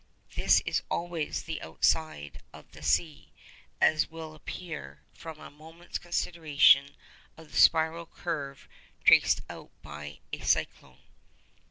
This is always the outside of the ⊃, as will appear from a moment's consideration of the spiral curve traced out by a cyclone.